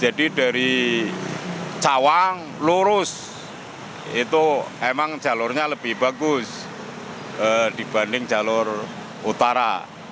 jadi dari cawang lurus itu emang jalurnya lebih bagus dibanding jalur utara